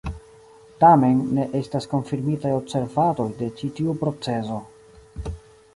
Tamen, ne estas konfirmitaj observadoj de ĉi tiu procezo.